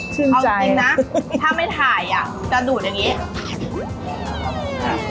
เอาจริงนะถ้าไม่ถ่ายอ่ะจะดูดอย่างนี้